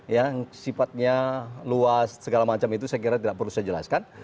yang sifatnya luas segala macam itu saya kira tidak perlu saya jelaskan